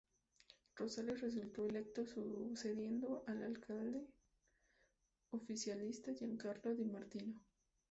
Rosales resultó electo sucediendo al alcalde oficialista, Gian Carlo Di Martino.